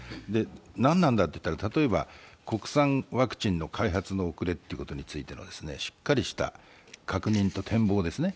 何なんだといったら、例えば国産ワクチンの開発の遅れということについてのしっかりした確認と展望ですね。